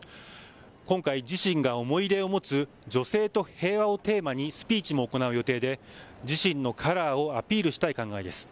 今回、自身が思い入れを持つ女性と平和をテーマにスピーチも行う予定で自身のカラーをアピールしたい考えです。